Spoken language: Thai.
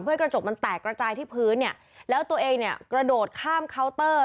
เพื่อกระจกมันแตกระจายที่พื้นเนี่ยแล้วตัวเองเนี่ยกระโดดข้ามเคาน์เตอร์